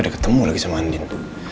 dia ketemu lagi sama anding